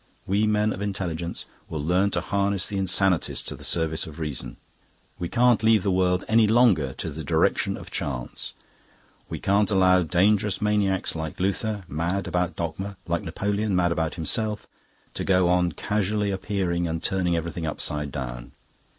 We men of intelligence will learn to harness the insanities to the service of reason. We can't leave the world any longer to the direction of chance. We can't allow dangerous maniacs like Luther, mad about dogma, like Napoleon, mad about himself, to go on casually appearing and turning everything upside down.